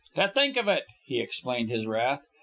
"To think of it!" he explained his wrath.